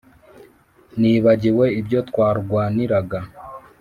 nibagiwe ibyo twarwaniraga,